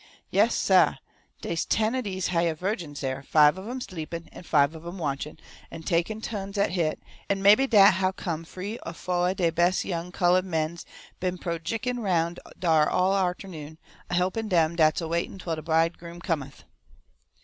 Yass, SAH! dey's ten o' dese hyah vergims dar, five of 'em sleepin' an' five of 'em watchin', an' a takin' tuhns at hit, an' mebby dat how come free or fouah dey bes' young colo'hed mens been projickin' aroun' dar all arternoon, a helpin' dem dat's a waitin' twell de bridegroom COM eth!"